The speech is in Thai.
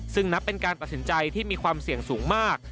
ซึ่งนับเป็นการตัดสินใจที่มีความเสี่ยงสูงมาก